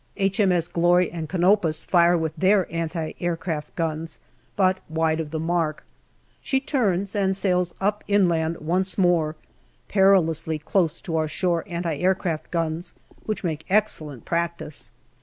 H.M.S. Glory and Canopus fire with their anti aircraft guns, but wide of the mark. She turns and sails up inland once more, perilously close to our shore anti aircraft guns, which make excellent practice.